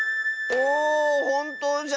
おおほんとうじゃ！